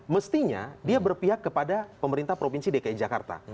mestinya dia berpihak kepada pemerintah provinsi dki jakarta